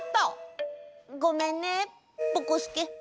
ごめんねぼこすけ。